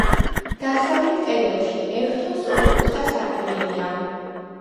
დასავლეთ კედელში ერთო სწორკუთხა სარკმელია.